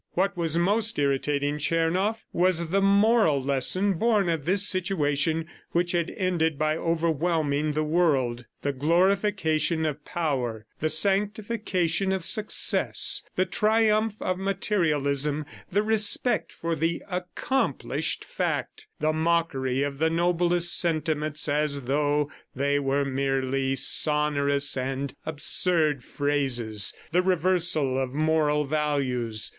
... What was most irritating Tchernoff was the moral lesson born of this situation which had ended by overwhelming the world the glorification of power, the sanctification of success, the triumph of materialism, the respect for the accomplished fact, the mockery of the noblest sentiments as though they were merely sonorous and absurd phrases, the reversal of moral values